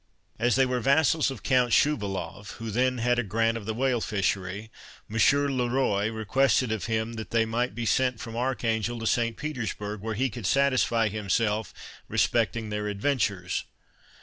As they were vassals of Count Schuwalow, who then had a grant of the whale fishery, M. Le Roy requested of him that they might be sent from Archangel to St. Petersburgh, where he could satisfy himself respecting their adventures.